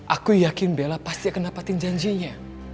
aku yakin bella pasti akan dapatin janjinya